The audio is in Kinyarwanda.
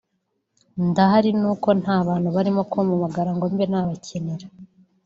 ndahari nuko nta bantu barimo kumpamagara ngo mbe nabakinira